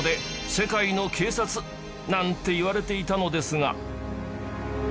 「世界の警察」なんていわれていたのですが